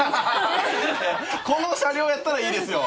この車両やったらいいですよ。